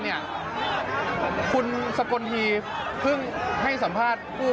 คุณแบบสักคนทีให้สัมภาษณ์พูด